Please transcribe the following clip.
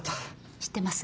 知ってます？